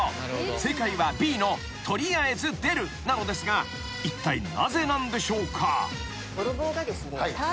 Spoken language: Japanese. ［正解はＢの取りあえず出るなのですがいったいなぜなんでしょうか？］